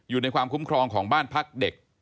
อยู่ในความคุ้มครองของบ้านพักเด็ก